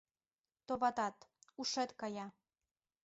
Товатат, ушет кая!